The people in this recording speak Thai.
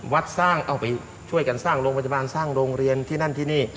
วัดสร้างเอาไปช่วยกันสร้างโรงพยาบาลสร้างโรงเรียนที่นั่นที่นี่